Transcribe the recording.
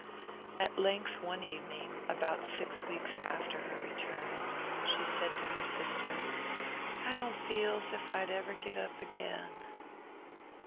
At length one evening, about six weeks after her return, she said to her sister: "I don't feel's if I'd ever get up again."